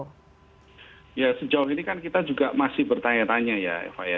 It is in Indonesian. ya sejauh ini kan kita juga masih bertanya tanya ya eva ya